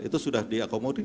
itu sudah diakomodin